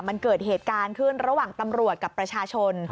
มันเกิดเหตุการณ์ขึ้นระหว่างตำรวจกับประชาชน